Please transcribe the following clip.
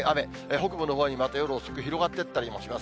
北部のほうに、また夜遅く広がっていったりもします。